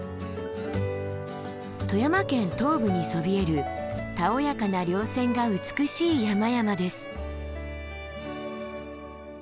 富山県東部にそびえるたおやかな稜線が美しい山々です。